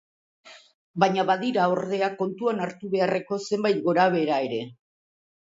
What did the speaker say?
Baina badira, ordea, kontuan hartu beharreko zenbait gorabehera ere.